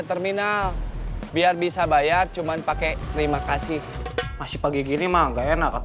terakhir tadi dikasih ke orang bengkel